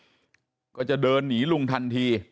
ไปรับศพของเนมมาตั้งบำเพ็ญกุศลที่วัดสิงคูยางอเภอโคกสำโรงนะครับ